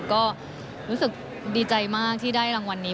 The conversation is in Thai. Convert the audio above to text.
ก็รู้สึกดีใจมากที่ได้รางวัลนี้